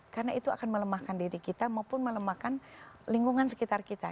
karena itu akan melemahkan diri kita maupun melemahkan lingkungan sekitar kita